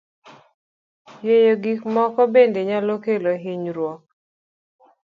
Yueyo gik moko bende nyalo kelo hinyruok.